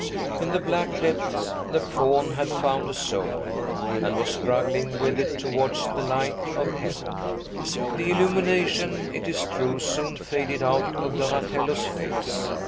In the black depths the Faun had found a soul, and was struggling with it towards the light of heaven. The illumination, it is true, soon faded out of Donatello's face.